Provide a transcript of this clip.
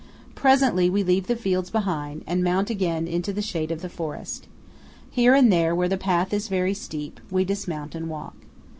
Presently we leave the fields behind, and mount again into the shade of the forest. Here and there, where the path is very steep, we dismount and walk.